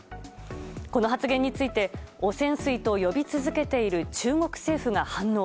この発言について汚染水と呼び続けている中国政府が反応。